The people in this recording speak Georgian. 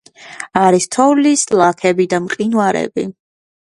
არის თოვლის ლაქები და მყინვარები.